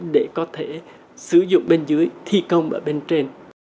để có thể sử dụng bên dưới thi công ở bên trên